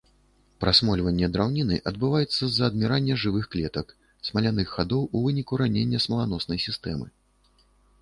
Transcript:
Прасмольванне драўніны адбываецца з-за адмірання жывых клетак, смаляных хадоў у выніку ранення смаланоснай сістэмы.